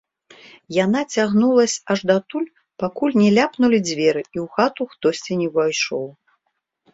Яна цягнулася аж датуль, пакуль не ляпнулі дзверы і ў хату хтосьці не ўвайшоў.